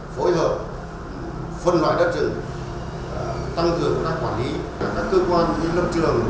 phối hợp phân loại đất rừng tăng cường các quản lý các cơ quan như lập trường